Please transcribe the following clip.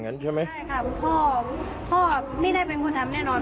เพื่อที่พ่อไม่ได้เป็นคนทำแน่นอน